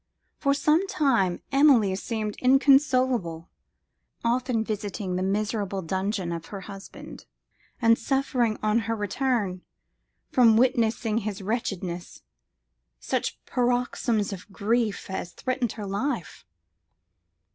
For some time Emilie seemed inconsolable, often visiting the miserable dungeon of her husband, and suffering on her return, from witnessing his wretchedness, such paroxysms of grief as threatened her life.